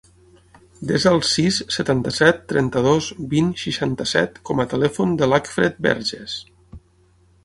Desa el sis, setanta-set, trenta-dos, vint, seixanta-set com a telèfon de l'Acfred Verges.